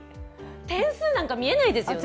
点数なんか見えないですよね？